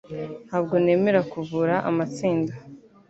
Ntabwo nemera kuvura amatsinda